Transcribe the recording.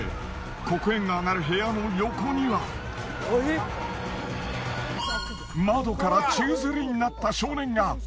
黒煙が上がる部屋の横には窓から宙づりになった少年が！